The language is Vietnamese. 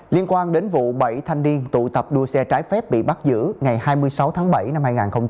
liên quan đến vụ bảy thanh niên tụ tập đua xe trái phép bị bắt giữ ngày hai mươi sáu tháng bảy năm hai nghìn hai mươi ba